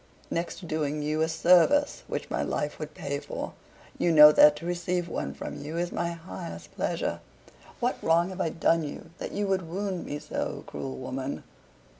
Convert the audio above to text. Next to doing you a service (which my life would pay for), you know that to receive one from you is my highest pleasure. What wrong have I done you that you should wound me so, cruel woman?"